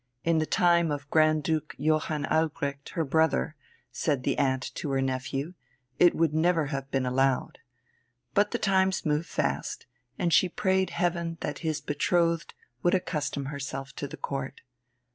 In the time of Grand Duke Johann Albrecht, her brother, said the aunt to her nephew, it would never have been allowed. But the times moved fast, and she prayed Heaven that his betrothed would accustom herself to the Court.